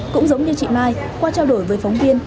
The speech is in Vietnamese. cũng giống như chị mai qua trao đổi với phóng viên